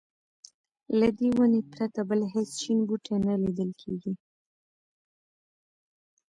له دې ونې پرته بل هېڅ شین بوټی نه لیدل کېږي.